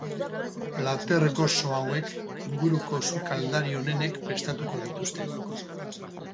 Plater gozo hauek, inguruko sukladari onenek prestatuko dituzte.